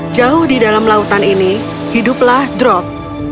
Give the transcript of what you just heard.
jauh di dalam lautan ini hiduplah drop